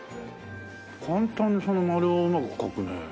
簡単にその丸をうまく描くね。